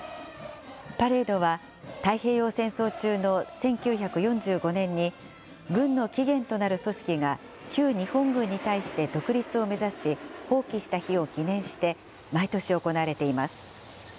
パレードは、太平洋戦争中の１９４５年に、軍の起源となる組織が旧日本軍に対して独立を目指し、蜂起した日を記念して、毎年行われています。